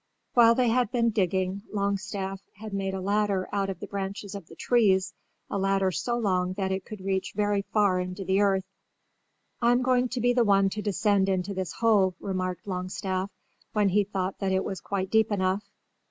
While they had been digging, Longstaff had made a ladder out of the branches of the trees, a ladder so long that it could reach very far into the earth. "I'm going to be the one to descend into this hole," remarked Longstaff when he thought that it was quite deep enough.